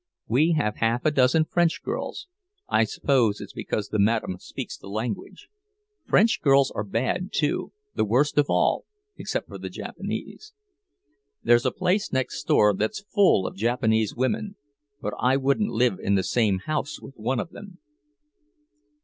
We have half a dozen French girls—I suppose it's because the madame speaks the language. French girls are bad, too, the worst of all, except for the Japanese. There's a place next door that's full of Japanese women, but I wouldn't live in the same house with one of them."